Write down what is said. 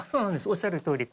おっしゃるとおり。